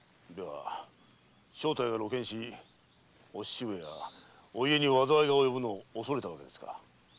正体が露見しお父上やお家に災いが及ぶのを恐れたのですか？